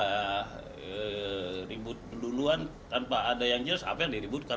kita ribut duluan tanpa ada yang jelas apa yang diributkan